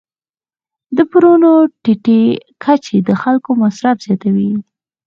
د پورونو ټیټې کچې د خلکو مصرف زیاتوي.